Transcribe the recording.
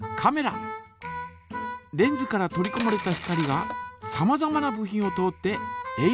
レンズから取りこまれた光がさまざまな部品を通ってえい